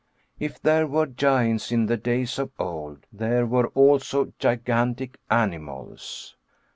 If there were giants in the days of old, there were also gigantic animals.